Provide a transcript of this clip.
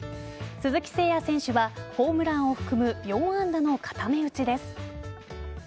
鈴木誠也選手はホームランを含む４安打の固め打ちです。